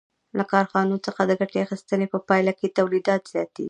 له کارخانو څخه د ګټې اخیستنې په پایله کې تولیدات زیاتېږي